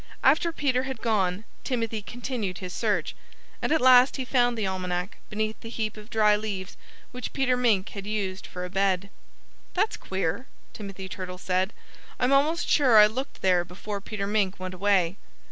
After Peter had gone, Timothy continued his search. And at last he found the Almanac beneath the heap of dry leaves which Peter Mink had used for a bed. "That's queer!" Timothy Turtle said. "I'm almost sure I looked there before Peter Mink went away....